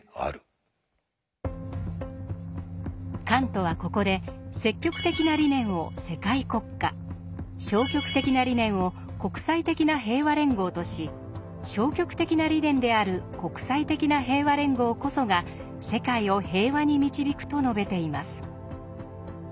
カントはここで「積極的な理念」を世界国家「消極的な理念」を国際的な平和連合とし「消極的な理念」である国際的な平和連合こそが世界を平和に導くと述べています。